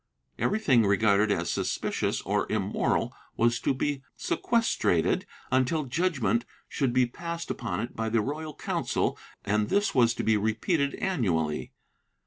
Ever3^hing regarded as suspicious or immoral was to be seques trated, until judgement should be passed upon it by the Royal Council, and this was to be repeated annually.